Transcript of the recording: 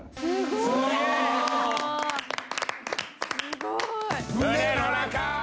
すごーい！